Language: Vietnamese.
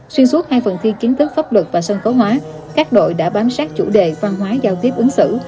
xuyên suốt hai phần thi kiến thức pháp luật và sân khấu hóa các đội đã bám sát chủ đề văn hóa giao tiếp ứng xử